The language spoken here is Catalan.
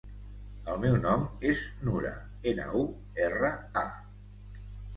El meu nom és Nura: ena, u, erra, a.